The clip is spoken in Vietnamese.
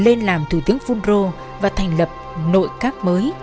lên làm thủ tướng fungro và thành lập nội các mới